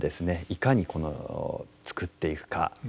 いかに作っていくか。